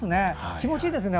気持ちいいですね。